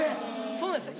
そうなんですよ。